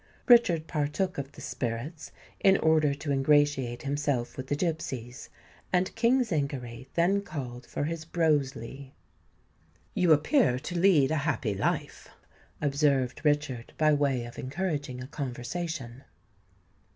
Richard partook of the spirits, in order to ingratiate himself with the gipsies; and King Zingary then called for his "broseley." "You appear to lead a happy life," observed Richard, by way of encouraging a conversation.